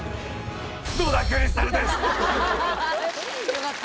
よかった。